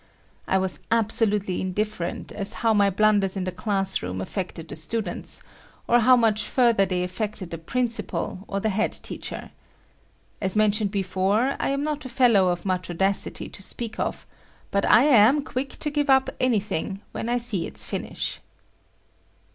I was absolutely indifferent as how my blunders in the class room affected the students, or how much further they affected the principal or the head teacher. As I mentioned before, I am not a fellow of much audacity to speak of, but I am quick to give up anything when I see its finish.